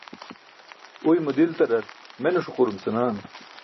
Uymo diltarar mene ṣuqurum senan